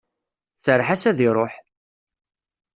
Serreḥ-as ad iruḥ!